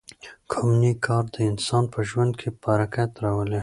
کوم نېک کار د انسان په ژوند کې برکت راولي؟